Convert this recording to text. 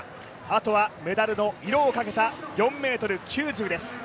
あとはメダルの色をかけた４ｍ９０です。